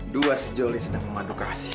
dua sejoli sedang memadukasi